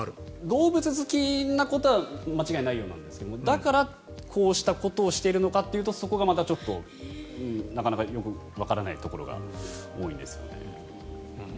動物好きなことは間違いないようなんですがだからこうしたことをしているのかっていうとそこがまたちょっとなかなかよくわからないところが多いんですよね。